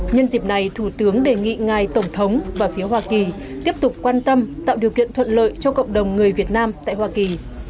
nhân dịp này thủ tướng đề nghị ngài tổng thống và phía hoa kỳ tiếp tục quan tâm tạo điều kiện thuận lợi cho cộng đồng người việt nam tại hoa kỳ